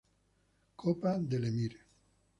Copa del Emir